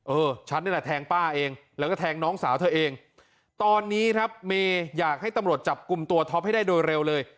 เออฉันนี่แหละแทงป้าเองแล้วก็แทงน้องสาวเธอเองตอนนี้ครับเมย์อยากให้ตำรวจจับกลุ่มตัวท็อปให้ได้โดยเร็วเลย